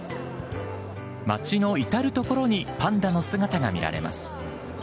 街の至る所にパンダの姿が見られます。